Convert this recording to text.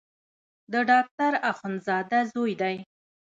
د ډاکټر اخندزاده زوی دی.